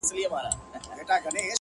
• هغه نجلۍ چي هر ساعت به یې پوښتنه کول ـ